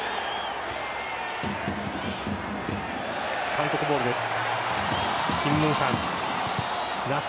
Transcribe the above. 韓国ボールです。